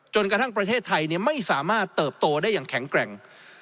กระทั่งประเทศไทยไม่สามารถเติบโตได้อย่างแข็งแกร่ง